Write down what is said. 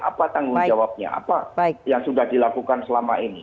apa tanggung jawabnya apa yang sudah dilakukan selama ini